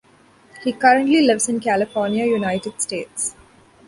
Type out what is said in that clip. He currently lives in California, United States.